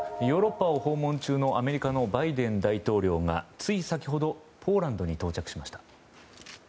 ヨーロッパを訪問中のアメリカのバイデン大統領がつい先ほどポーランドに到着しました。